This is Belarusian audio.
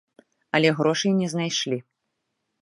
Але грошай не знайшлі.